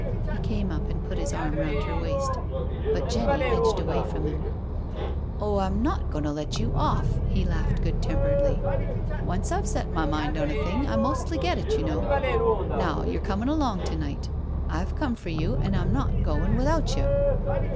He came up and put his arm round her waist, but Jenny ^dged away from him. " Oh, I'm not goin* to let you off," he laughed good temperedly. " Once I've set my mind on a thing, I mostly get it, you know. Now, you're comin' along to night. I've come for you, an' I'm not goin' without you."